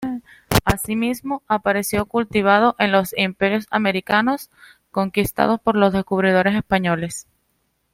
Así mismo, apareció cultivado en los imperios americanos conquistados por los descubridores españoles.